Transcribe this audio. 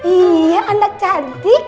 iya anak cantik